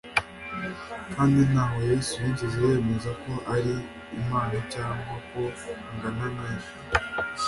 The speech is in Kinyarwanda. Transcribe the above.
kandi ntaho yesu yigeze yemeza ko ari imana cyangwa ko angana na yo